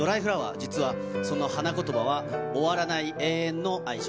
実はその花言葉は、終わらない永遠の愛情。